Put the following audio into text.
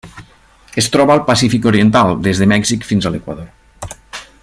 Es troba al Pacífic oriental: des de Mèxic fins a l'Equador.